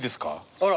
あら。